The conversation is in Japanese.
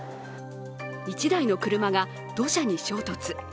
１台の車が土砂に衝突。